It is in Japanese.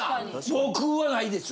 僕はないです。